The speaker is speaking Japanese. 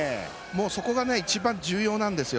そこが、一番重要なんですよ。